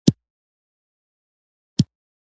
د اسلام په تاریخ کې په وار وار یادونه شوېده.